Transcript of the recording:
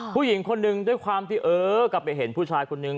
ผู้หญิงคนหนึ่งด้วยความที่เออก็ไปเห็นผู้ชายคนนึง